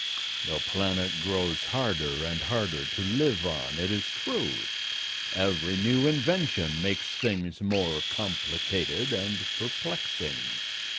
The planet grows harder and harder to live on, it is true; every new invention makes things more complicated and perplexing.